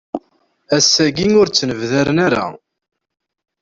Ass-agi ur ttnebdaren ara.